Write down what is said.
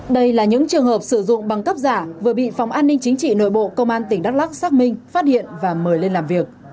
đây là những trường hợp sử dụng băng cấp giả vừa bị phòng an ninh chính trị nội bộ công an tỉnh đắk lắc xác minh phát hiện và mời lên làm việc